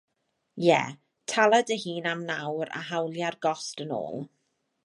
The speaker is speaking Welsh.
Ie, tala dy hun am nawr a hawlia'r gost yn ôl.